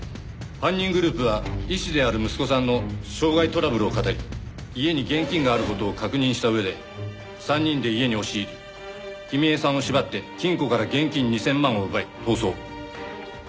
犯人グループは医師である息子さんの傷害トラブルを騙り家に現金がある事を確認した上で３人で家に押し入り君枝さんを縛って金庫から現金２０００万を奪い逃走。